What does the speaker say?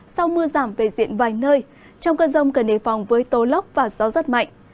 sau mưa giảm về diện vài nơi trong cơn rông cần đề phòng với tố lốc và gió rất mạnh